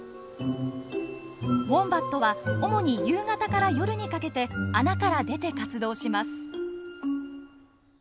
ウォンバットは主に夕方から夜にかけて穴から出て活動します。